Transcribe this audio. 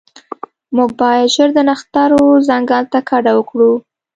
موږ باید ژر د نښترو ځنګل ته کډه وکړو